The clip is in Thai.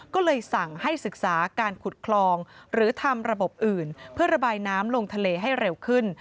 ก็เลยสั่งให้ศึกษาการขุดคลองหรือทำระบบอื่นเพื่อระบายน้ำลงทะเลให้เร็วขึ้น